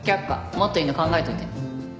もっといいの考えておいて。